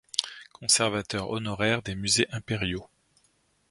Conservateur honoraire des musées impériaux.